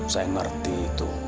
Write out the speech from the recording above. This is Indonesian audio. saya mengerti itu